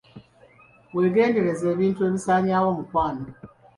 Weegendereze ebintu ebisanyaawo omukwano.